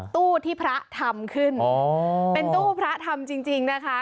ตู้ที่พระธรรมขึ้นเป็นตู้พระธรรมจริงนะคะ